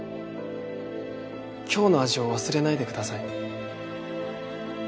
今日の味を忘れないでください。